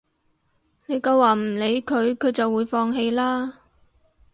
你夠話唔理佢，佢就會放棄啦